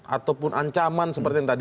ataupun ancaman seperti yang tadi